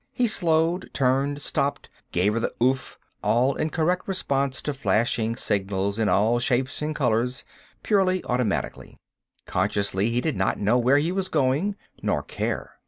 He slowed, turned, stopped, "gave her the oof," all in correct response to flashing signals in all shapes and colors—purely automatically. Consciously, he did not know where he was going, nor care.